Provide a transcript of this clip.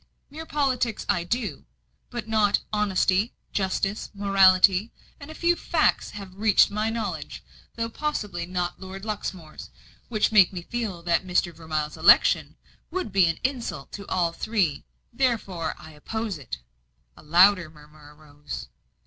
"Mere politics I do, but not honesty, justice, morality; and a few facts have reached my knowledge, though possibly not Lord Luxmore's, which make me feel that Mr. Vermilye's election would be an insult to all three; therefore, I oppose it." A louder murmur rose.